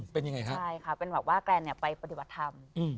เป็นยังไงคะใช่ค่ะเป็นแบบว่าแกรนเนี่ยไปปฏิบัติธรรม